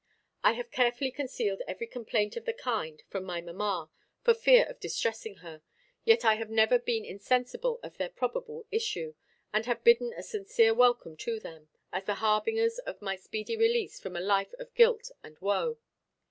I have carefully concealed every complaint of the kind from my mamma, for fear of distressing her; yet I have never been insensible of their probable issue, and have bidden a sincere welcome to them, as the harbingers of my speedy release from a life of guilt and woe.